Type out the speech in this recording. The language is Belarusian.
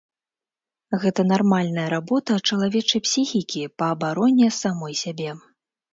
Гэта нармальная работа чалавечай псіхікі па абароне самой сябе.